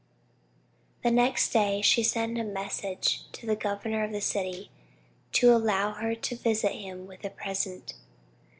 The next day she sent a message to the governor of the city, to allow her to visit him with a present.